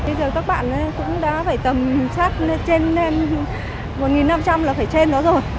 bây giờ các bạn cũng đã phải tầm sat trên một năm trăm linh là phải trên đó rồi